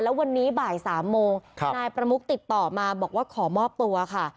แล้ววันนี้บ่าย๓โมงนายประมุกติดต่อมาบอกว่าขอมอบตัวค่ะ